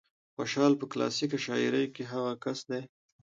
خوشال په کلاسيکه شاعرۍ کې هغه کس دى